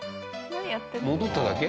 戻っただけ？